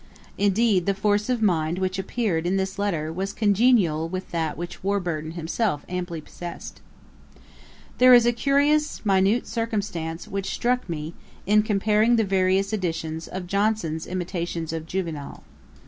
Indeed, the force of mind which appeared in this letter, was congenial with that which Warburton himself amply possessed.' [Page 264: For 'garret' read 'patron.' A.D. 1754.] There is a curious minute circumstance which struck me, in comparing the various editions of Johnson's imitations of Juvenal.